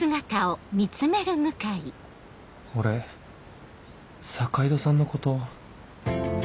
俺坂井戸さんのこと